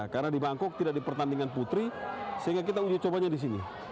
karena di bangkok tidak di pertandingan putri sehingga kita uji cobanya di sini